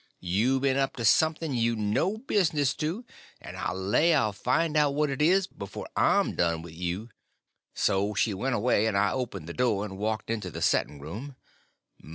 You been up to something you no business to, and I lay I'll find out what it is before I'm done with you." So she went away as I opened the door and walked into the setting room.